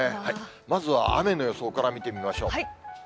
まずは雨の予想から見てみましょう。